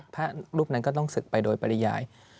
พระรูปนั้นก็ต้องศึกไปโดยปริยาย